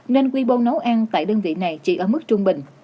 nên quy bôn nấu ăn tại đơn vị này chỉ ở mức trung bình